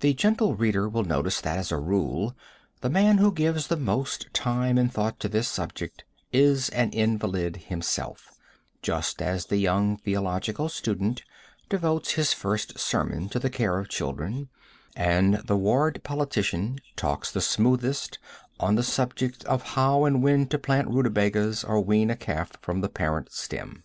The gentle reader will notice that, as a rule, the man who gives the most time and thought to this subject is an invalid himself; just as the young theological student devotes his first sermon to the care of children, and the ward politician talks the smoothest on the subject of how and when to plant ruta bagas or wean a calf from the parent stem.